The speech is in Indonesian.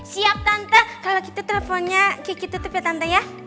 siap kan teh kalau gitu teleponnya kiki tutup ya tante ya